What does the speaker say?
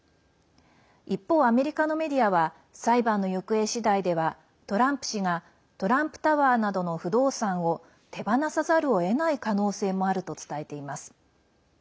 一方、アメリカのメディアは裁判の行方次第ではトランプ氏がトランプタワーなどの不動産を手放さざるをえない可能性もあると伝えています。